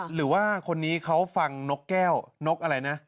หรือว่าคนนี้เขาฟังนกแก้วนกอะไรนะ